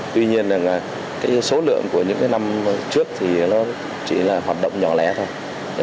tuy nhiên số lượng của những năm trước chỉ là hoạt động nhỏ lẻ thôi